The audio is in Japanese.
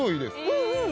うんうん。